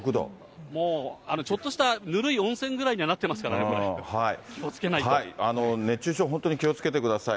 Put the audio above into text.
もうあの、ちょっとしたぬるい温泉ぐらいにはなってま熱中症、本当に気をつけてください。